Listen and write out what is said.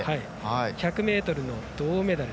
１００ｍ銅メダル。